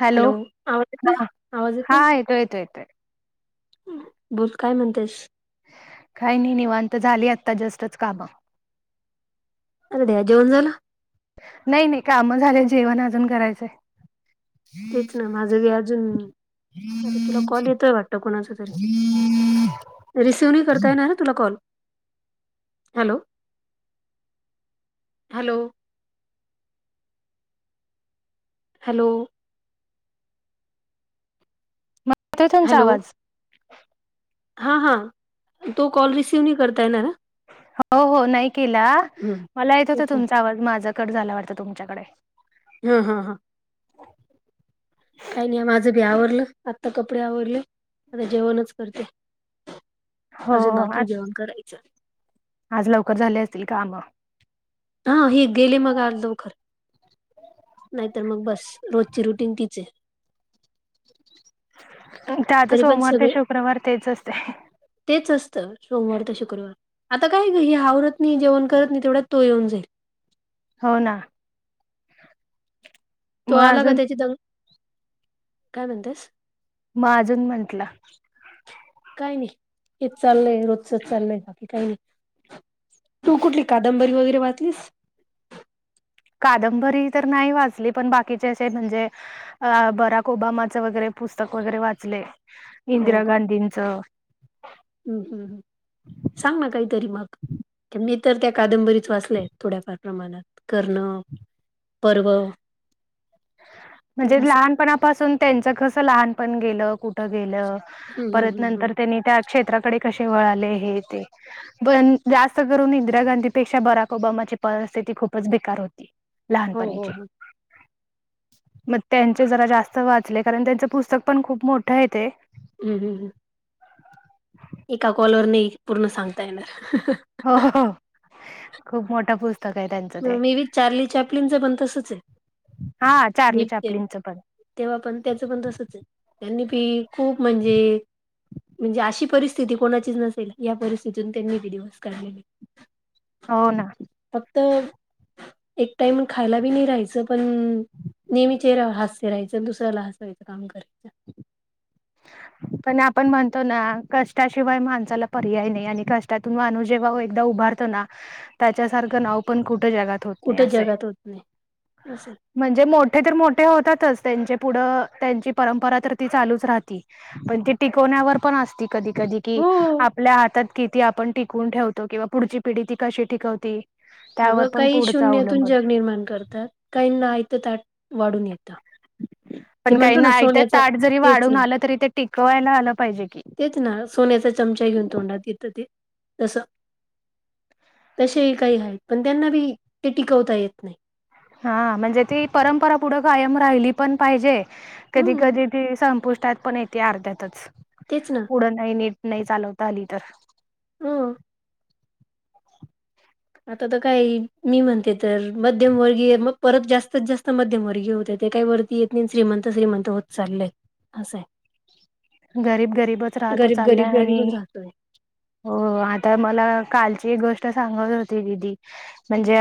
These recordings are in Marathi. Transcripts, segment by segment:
हॅलो आवाज येतोय आवाज हा येतोय येतोय बोल काय म्हणतेस? काही नाही निवांत झाली आत्ता जस्टच कामं अरे [unintelligible] द्या जेवण झालं नाही नाही काम झाल्या जेवण अजून करायचंय तेच ना माझं बी अजून अरे तुला कॉल येतोय वाटतं कोणाच तरी? रिसीव्ह नाही करता येणार तुला कॉल हॅलो हॅलो हॅलो ते तुमचा आवाज हा हा तो कॉल रिसीव्ह नाही करता येणार अ हो हो नाही केला हम्म, मला येत होता तेच ना तुमचा आवाज माझा कड झाला वाटता तुमच्याकडे हा हा हा काही नाही माझं बी आवरलं आत्ता कपडे आवरले आता जेवणच करते हो अजून बाकी आ आहे जेवण करायचं आज लवकर झाले असतील काम हा हे गेले मग आज लव खर नाहीतर मग बस रोजची रुटीन तीच आहे ते आता तरी पण सोमवार ते सगळे शुक्रवार तेच असते तेच असतं सोमवार ते शुक्रवार आता काय ग ही आवरत नाही जेवण करत नाही तेवढ्यात तो येऊन जाईल हो ना तो मग आला का अजून त्याची दंग काय म्हणतेस म अजून म्हटलं काय नाही हे चाललंय रोजच चाललय बाकी काही नाही. तू कुठली कादंबरी वगैरे वाचलीस कादंबरी तर नाही वाजली पण बाकीचे असे म्हणजे अ बराक ओबामाचं वगैरे पुस्तक वगैरे वाचले इंदिरा गांधींचं हम् हम् सांग ना काहीतरी मग मी तर त्या कादंबरीच वाचलेय थोड्याफार प्रमाणात करणं पर्व म्हणजे असं. लहानपणापासून त्यांच कस लहानपण गेलं कुठं गेलं हं हं परत हं हं. नंतर त्यांनी त्या क्षेत्राकडे कसे वळाले हे ते पण जास्त करून इंदिरा गांधीपेक्षा बराक ओबामाची परिस्थिती खूपच बेकार होती. हो हो लहानपणीचे हो. मग त्यांचे जरा जास्त वाचले कारण त्यांचं पुस्तक पण खूप मोठं य ते हम हम हम एका कॉलवर नाही पूर्ण सांगता येणार हो खूप मोठा पुस्तक का त्यां मी बीच चार्ली चॅपलिनच बन तसच आहे हा चारली मी ते चापलींचं पण तेव्हा पण त्याचं पण तसच त्यांनी पी खूप म्हणजे म्हणजे अशी परिस्थिती कोणाचीच नसेल या परिस्थितीतून त्यांनी बिडिवस काढलेली हो ना तर एक टाइम खायला बी नाही राहायचं पण नेहमी चेहऱ्यावर हास्य राहायचं दुसऱ्याला हसायचं काम करतेय. ह.... पण आपण म्हणतो ना कष्टाशिवाय माणसाला पर्याय नाही आणि कष्टातून माणूस जेव्हा एकदा उभार.... उभारतो त्याच्यासारखं नाव पण कुठ जगात होत नाही कुठं अस आहे..... जगात होत नाही असंय म्हणजे मोठे तर मोठे होतातच त्यांचे पुढं त्यांची परंपरा तर ती चालूच राहते. ती पण ती टिकवण्यावर पण असती कधी कधी कि हो. आपल्या हातात किती आपण टिकून ठेवतो किंवा पुढची पिढी ती कशी टिकवते. अगं काही शून्यातून जग निर्माण करतात काहीना आयत ताट वाढून येतं. ते पण म्हणतो काहीना ना आयत सोन्याचा ताट जरी तेच वाढून ना आलं तरी ते टिकवायला आलं पाहिजे की तेच ना सोन्याचा चमचा घेऊन तोंडात येत तसं तसेही काही आहेत पण त्यांना बी ते टिकवता येत नाही. हा म्हणजे ती परंपरा पुढं कायम राहिली पण पाहिजे. कधी हम्म, कधी ती संपुष्टात पण येते अर्ध्यातच तेच ना. पुढं नाही नेत. नाही चालवता आली तर उंम आता तर काय मी म्हणते तर मध्यमवर्गीय मग परत जास्तीत जास्त मध्यमवर्गीय होते ते काय वर ती पिन श्रीमंत श्रीमंत होत चाललेय असं आहे. गरीब गरीबच राहतो गरीब गरीब चाललाय गरीबच आणि राहतोय. हो आता मला कालची एक गोष्ट सांगत होती दिदी म्हणजे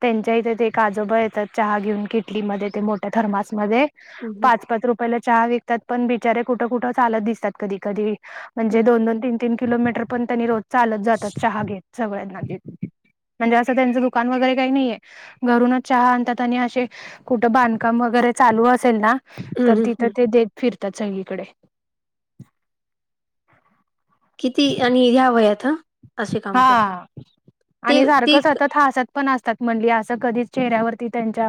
त्यांच्या इथे ते एक आजोबा येतात चहा घेऊन किटलीमध्ये ते मोठ्या थर्मासमध्ये हं, हं, पाच पाच रुपये पहिले चहा विकतात पण बिचारे कुठं कुठं चालत दिसतात कधी कधी म्हणजे हं. दोन दोन तीन तीन किलोमीटर पण त्यांनी रोज चालत जातात चहा घेत सगळ्यांना म्हणजे असं त्यांचं दुकान वगैरे काही नाहीे आहे घरूनच चहा आणतात आणि असे कुठं बांधकाम वगैरे चालू असेल ना. हं, तर हं, तिथं हं. ते देत फिरतात सगळीकडे किती आणि ह्या वयात ह हा ते आणि ते सारखं सतत ह असत. पण असतात म्हण असं कधीच चेहऱ्यावरती त्यांच्या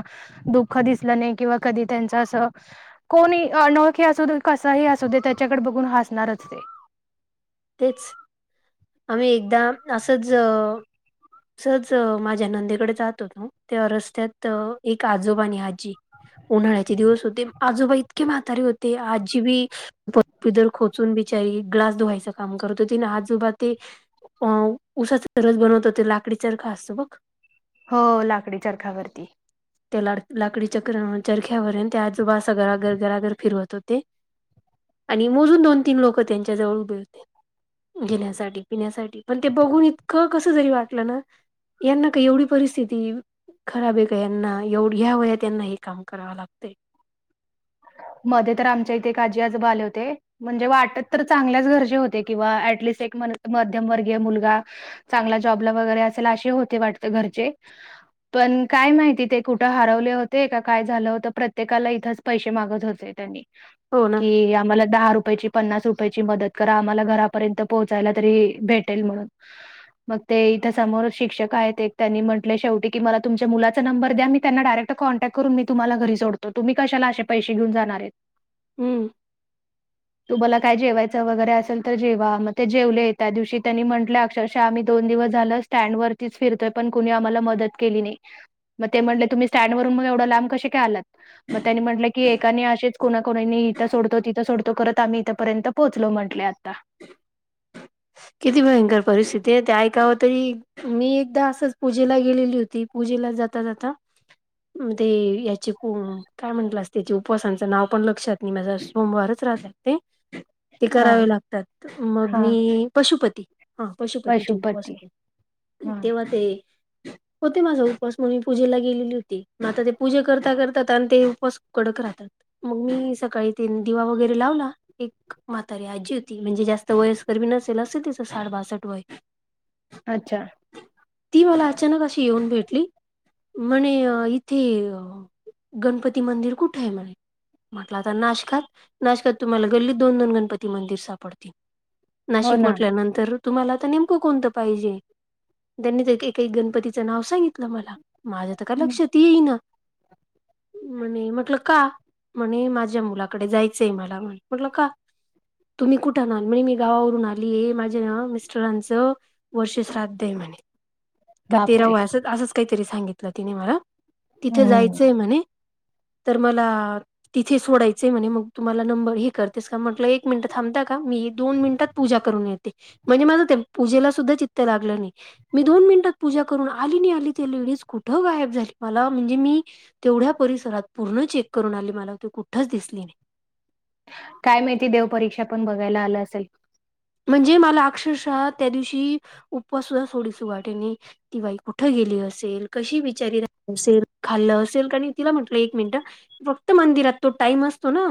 दुःख दिसलं नाही किंवा कधी त्यांच असं. कोणी अनोळखी असुदे कसाही असुदे त्याच्याकडे बघून हसणारच ते तेच आम्ही एकदा असंच ह असच माझ्या नंदेकडे जात होत तेव्हा रस्त्यात एक आजोबा आणि आजी उन्हाळ्याचे दिवस होते आजोबा इतके म्हातारीे होते आजीबी पर पदर खोचून बिचारी ग्लास धुवायचं काम करतो अन आजोबा ते अ उसाच रस बनवत होते लाकडी चरखा असतो बघ हो लाकडी चरखावरती ते ला लाकडी चक्र चरख्यावर आणि ते आजोबा असं घराघर घराघर फिरवत होते. आणि मोजून दोन तीन लोक त्यांच्या जवळ उभे होते घेण्यासाठी ते पिण्यासाठी पण ते बघून इतकं कस जरी वाटलं ना यांना का एवढी परिस्थिती आहे होय खराब आहे का ह्यांना एवढ ह्या वयात यांना हे काम करावं लागतं. मध्ये तर आमच्या इथे एक आजी आजोबा आले होते. म्हणजे वाटत तर चांगल्याच घरचे होते किंवा ऍटलिस्ट एक मध्यमवर्गीय मुलगा चांगला जॉबला वगैरे असेल असे होते वाटत घरचे पण काय माहिती ते कुठं हरवले होते का काय झालं होतं प्रत्येकाला इथंच पैसे मागत होते त्यांनी हो ना कि आम्हाला दहा रुपयाची मदत पन्नास रुपयाची मदत करा आम्हाला घरापर्यंत पोहोचायला तरी भेटेल म्हणून मग ते इथं समोर शिक्षक आहेत एक त्यांनी म्हटले शेवटी की मला तुमच्या मुलाचा नंबर द्या मी त्यांना डायरेक्ट कॉल करतो कॉन्टॅक् करून मी तुम्हाला घरी सोडतो तुम्ही कशाला पैसे घेऊन जाणारे हम्म तुम्हाला काय जेवायचं वगैरे असेल तर जेवा मग ते जेवले त्या दिवशी त्यांनी म्हंटलं अक्षरशः आम्ही दोन दिवस झाल स्टँड वरतीच फिरतोय पण कुणी आम्हाला मदत केली नाही मग ते म्हटले तुम्ही स्टँड वरुण मग एवढं लांब कसे काय आलात मग त्यांनी म्हंटलं की एकाने असे कोणाकोणानी इथे सोडतो तिथे सोडतो करत आम्ही इथपर्यंत पोहोचलो म्हंटलं आता किती भयंकर परिस्थिती आहे ते ऐकाव तरी मी एकदा असंच पूजेला गेलेली होती पूजेला जाता जाता म्हण याचे प काय म्हंटलं अस त्याचे उपवासाांचं नाव पण लक्षात नाही माझ सोमवारच राहतात ते ते हा करावे लागतात मग हा मी पशुपती हा पशुपतीचे उपवास पशुपती होते हा तेव्हा ते होते माझा उपवास म्हणून मी पूजेला गेलेली होती मग आता ते पूजे करता करतात आणि ते उपवास कडक राहतात मग मी सकाळी तीन दिवा वगैरे लावला एक म्हातारी आजी होती म्हणजे जास्त वयस कर्मी नसेल असं तिचं साड बासष्ट वय अच्छा ती मला अचानक अशी येऊन भेटली म्हणे इथे गणपती मंदिर कुठे आहे म्हणे म्हटलं आता नाशकात नाशकात तुम्हाला गल्लीत दोन गणपती मंदिर सापडतील हो नाशिक ना म्हटल्यानंतर तुम्हाला आता नेमकं कोणतं पाहिजे त्यांनी एक एक गणपतीचं नाव सांगितलं मला माझ्या तर काय हं. लक्षात येई ना म्हणे म्हटलं का म्हणे माझ्या मुलाकडे जायचंय मला म्हणे म्हटलं का तुम्ही कुठून आला म्हणे मी गावावरून ून आली माझ्या मिस्टरांचं वर्ष श्राद्ध आहे म्हणे का तेरा बापरे वयाच असंच काहीतरी सांगितलं तिने मला तिथे हम्म जायचंय म्हणे तर मला तिथे सोडायचंय म्हणे मग तू मला नंबर हे करतेस का म्हटलं एक मिनट थांबता का मी दोन मिनिटात पूजा करून येते म्हणजे माझं ते पूजेला सुद्धा चित्त लागलं नाही मी दोन मिनिटात पूजा करून आली नाही आली त लेडीज कुठं गायब झाली मला म्हणजे मी तेवढ्या परिसरात पूर्ण चेक करून आली मला ती कुठच दिसली नाही काय माहिती देवपरीक्षा पण बघायला आलं असेल म्हणजे मला अक्षरशः त्या दिवशी उपवास सुद्धा सोडीस वाटेनी तिवाई कुठं गेली असेल कशी विचारी रा असेल खाल्लं असेल आणि तिला म्हटलं एक मिनिट रक्त मंदिरतो टईम असतो ना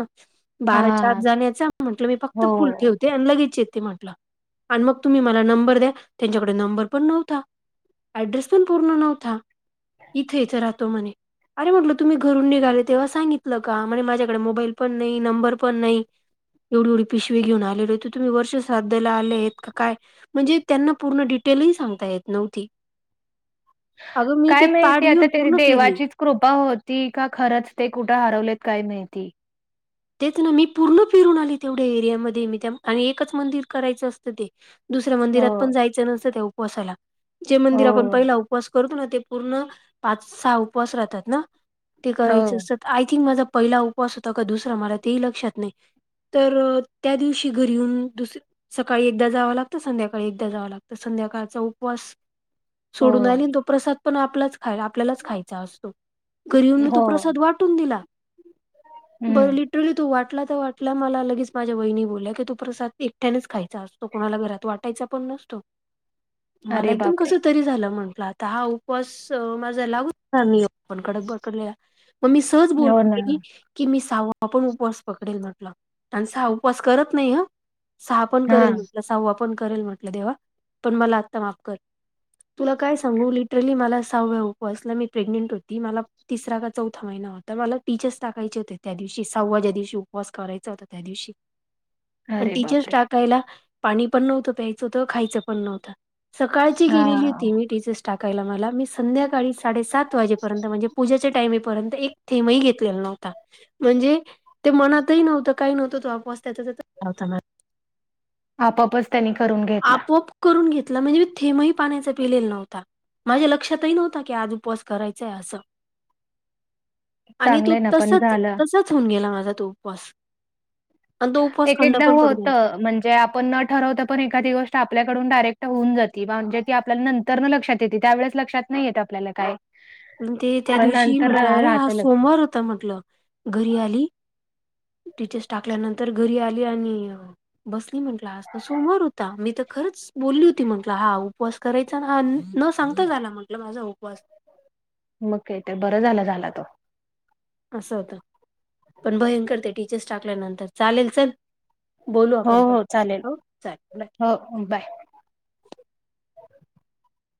हा बाराच्या आत जाण्याचा म्हंटलं मी फक्त हो फुल ठेवते आणि लगेच येते ते म्हटलं आणि मग तुम्ही मला नंबर द्या त्यांच्याकडे नंबर पण नव्हता ऍड्रेस पण पूर्ण नव्हता इथं इथे राहतो म्हणे अरे म्हटलं तुम्ही घरून निघाले तेव्हा सांगितलं का म्हणे माझ्याकडे मोबाईल पण नाही नंबर पण नाही येवढी येवढी पिशवी घेऊन आलेले तर तुम्ही वर्ष श्राद्धला आलेत का काय म्हणजे त्यांना पूर्ण डिटेलही सांगता येत नव्हती अगं मी काय ते माहिती ताट आता घेऊन ते पूर्ण केली देवाचीच कृपा होती का खरंच ते कुठे हरवलेत काय माहिती तेच ना मी पूर्ण फिरून आली तेवढ्या एरियामध्ये मी आणि एकच मंदिर करायचं असतं ते दुसऱ्या मंदिरात हो पण जायचं नसतं त्या उपवासाला जे मंदिर आपण हो पहिला उपवास ू ते पूर्ण पाच सहा उपवास राहतात ना ते हो करायचं अस आय थिंक माझा पहिला उपवास होता का दुसरा मला तेही लक्षात नाही तर त्या दिवशी घरी येऊन दुसर सकाळी एकदा जावं लागतं संध्याकाळी एकदा जावं लागतं संध्याकाळचा उपवास हो सोडून आली तो प्रसाद पण आपलाच खाला आपल्यालाच खायचा असतो गरींनी तो हो. प्रसाद वाटून दिला बरं हम्म लिटरली तो वाटला तर वाटला मला लगेच माझ्या वहिनी बोलल्या की तो प्रसाद एकट्यानेच खायचा असतो तो कोणाला घरात वाटायचा पण नसतो मला अरे एकदम बापरे कस तरी झालं म्हंटलं आता हा उपवास माझा लागू मी आपण कडक पडकडलेला मग मी सहज हो बोलून ना गेली की मी सावा पण उपवास पकडेल म्हटलं आणि स उपवास करत नाही ह सहा पण हा. करेल म्हटलं सहावा पण करेल म्हटलं देव्हा पण मला आत्ता माफ कर तुला काय सांगू लिटरली मला सहाव्याप असला मी प्रेग्नेंट होती मला तिसरा का चौथा महिना होता मला पीचेस टाकायचे हो त्या दिवशी सव्वा ज्या दिवशी उपवास करायचा होता त्या दिवशी पण अरे तिचेच बापरे! टाकायला पाणी पण नव्हतं प्यायचंत खायचं पण नव्हतं सकाळची गेलेली हां. होती मी टीचर्स टाकायला मला मी संध्याकाळी साडेसात वाजेपर्यंत म्हणजे पूजेच्या टाईमपर्यंत एक थेंही घेतलेला नव्हता म्हणजे ते मनातही नव्हतं काही नव्हतं त वापस त्याच हो आपापच त्यांनी करून घेतला आपोआप करून घेतला म्हणजे मी थेमही पाण्याचा पिलेला नव्हता माझ्या लक्षातही नव्हतता की आज उपवास करायचाय असं आणि तो चांगलंय ना, पण तसच झालं. तसाच होऊन गेला माझा तो उपवास आणि तो उपवास एक खंड एकदा पण होत पडून म्हणजे जे आपण न ठरवत पण एखादी गोष्ट आपल्याकड डयेक्ट होऊन जात म्हणजे ती आपल्या नंत तर न लक्षात येते त्या ववेळेस लक्षात नाही येत आपल्याला काय पण ते त्या पण दिवशी नंतर म्हंटलं अरे हा राहतं लक्षात. सोमवार होता म्हंटलं घरी आली टीचर्स टाकल्यानंतर घरी आली आणि बसली म्हटलं असत सोमवर होता मी तर खरंच बोलली होती म्हटलं हा उपवास करायचा ह न सांगता झाला म्हटलं माझा उपवास मग का ते बरं झाला झाला तो असं होतं पण भयंकरते टीचर्स टाकल्यानंतर चालेल चल बोलू हो, आपणय हो. चालेल. हो चालेल बाय हो बाय